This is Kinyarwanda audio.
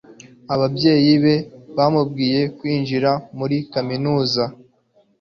Ababyeyi be bamubwiye kwinjira muri kaminuza.